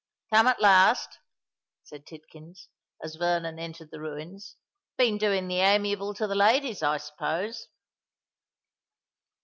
"Come at last?" said Tidkins, as Vernon entered the ruins. "Been doing the amiable to the ladies, I suppose?"